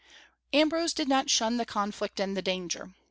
Ambrose did not shun the conflict and the danger.